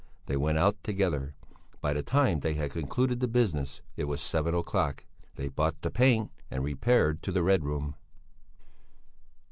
They went out together. By the time they had concluded the business it was seven o'clock. They bought the paint and repaired to the Red Room.